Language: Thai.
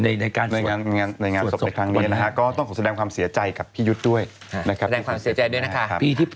ในงานสวดศพในครั้งนี้นะคะก็ต้องขอแสดงความเสียใจกับพี่ยุทธ์ด้วย